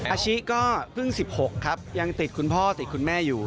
อาชิก็เพิ่ง๑๖ครับยังติดคุณพ่อติดคุณแม่อยู่